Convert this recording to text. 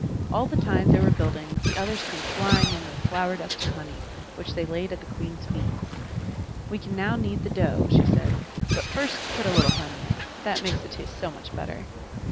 All the time they were building, the others came flying in with flower dust and honey, which they laid at the Queen's feet. "We can now knead the dough," she said. "But first put a little honey in that makes it taste so much better."